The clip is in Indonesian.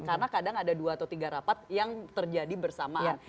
karena kadang ada dua atau tiga rapat yang terjadi bersamaan